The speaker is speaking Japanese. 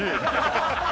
ハハハハ！